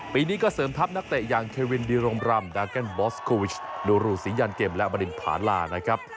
ปีนี้ก็เสริมทัพนักเตะอย่างเควินดิรมรำดาแกนบอสโควิชลูรูสียันเกมและบริณผาลานะครับ